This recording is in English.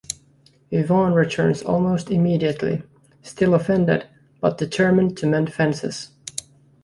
Yvan returns almost immediately, still offended, but determined to mend fences.